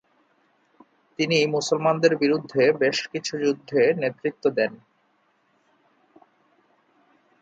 তিনি মুসলমানদের বিরুদ্ধে বেশ কিছু যুদ্ধে নেতৃত্ব দেন।